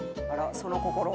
その心は？」